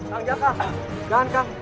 kang jakas jangan kang